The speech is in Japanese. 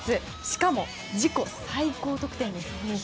しかも自己最高得点です。